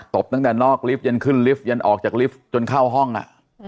บตั้งแต่นอกลิฟต์ยันขึ้นลิฟต์ยันออกจากลิฟต์จนเข้าห้องอ่ะ